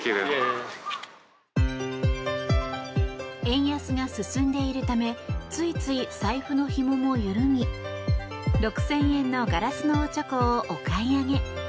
円安が進んでいるためついつい財布のひもも緩み６０００円のガラスのおちょこをお買い上げ。